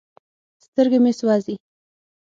سترګې مې سوزي ـ